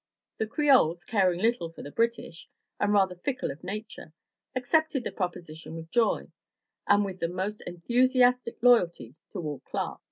The Creoles, caring little for the British, and rather fickle of nature, accepted the proposition with joy, and with the most enthusiastic loyalty toward Clark.